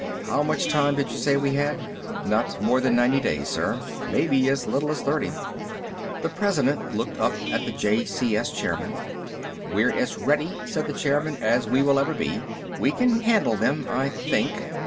How much time did you say we had?" "Not more than ninety days, sir. Maybe as little as thirty." The President looked up at the JCS chairman. "We're as ready," said the chairman, "as we will ever be. We can handle them I think.